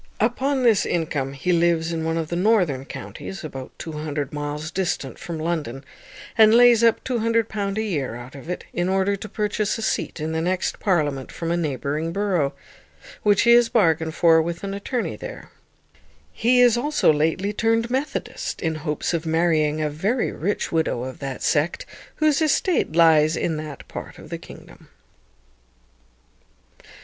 Upon this income he lives in one of the northern counties, about 200 miles distant from London, and lays up £200 a year out of it, in order to purchase a seat in the next parliament from a neighbouring borough, which he has bargained for with an attourney there. He is also lately turned Methodist, in hopes of marrying a very rich widow of that sect, whose estate lies in that part of the kingdom.